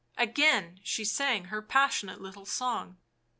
Again she sang her passionate little song.